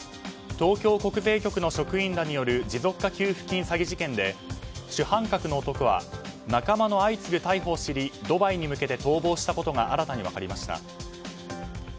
東京国税局の職員らによる持続化給付金詐欺事件で主犯格の男は仲間の相次ぐ逮捕を知りドバイに向けて逃亡したことが新たに分かりました。